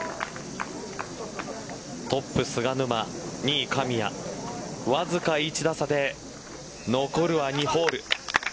トップ菅沼２位神谷わずか１打差で残るは２ホール。